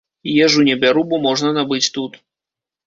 Ежу не бяру, бо можна набыць тут.